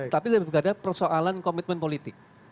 tapi ada persoalan komitmen politik